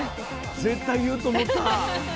絶対言うと思った。